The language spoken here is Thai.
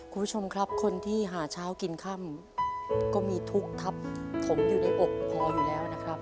คุณผู้ชมครับคนที่หาเช้ากินค่ำก็มีทุกข์ทับถมอยู่ในอกพออยู่แล้วนะครับ